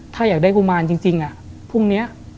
ถ้าอยากได้กุมารจริงพรุ่งนี้